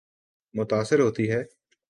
متاثر ہوتی ہے۔